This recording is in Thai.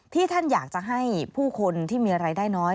ท่านอยากจะให้ผู้คนที่มีรายได้น้อย